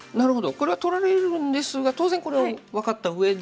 これは取られるんですが当然これを分かったうえで。